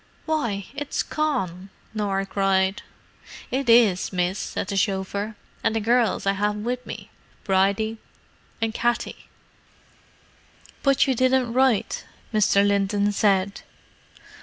"Why, it's Con!" Norah cried. "It is, miss," said the chauffeur. "And the gerrls I have with me—Bridie and Katty." "But you didn't write," Mr. Linton said.